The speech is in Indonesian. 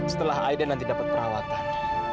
setelah aiden nanti dapat perawatan